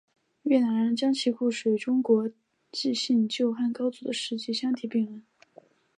越南人将其故事与中国的纪信救汉高祖的事迹相提并论。